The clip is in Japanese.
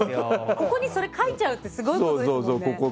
ここにそれ書いちゃうってすごいことですよね。